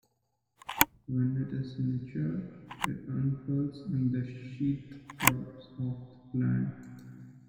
When it is mature, it unfurls and the sheath drops off the plant.